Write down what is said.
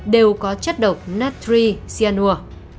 đều có chất độc natri sianua